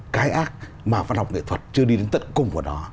cái ác mà văn học nghệ thuật chưa đi đến tận cùng của nó